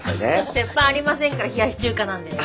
鉄板ありませんから冷やし中華なんでね。